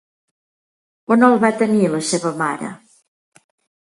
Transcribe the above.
On el va tenir la seva mare?